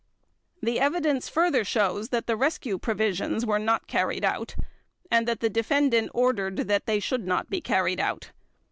The evidence further shows that the rescue provisions were not carried out and that the Defendant ordered that they should not be carried out.